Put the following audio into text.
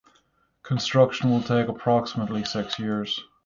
Construction will take approximately six years.